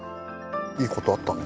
いいことあったね。